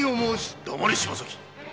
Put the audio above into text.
黙れ柴崎！